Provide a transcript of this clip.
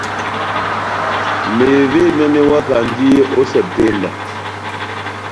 Mevé myɔ́ mewakandi ó Sepitemba.